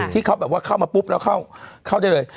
ที่เขาแบบว่าเข้ามาปุ๊บแล้วเข้าได้เลย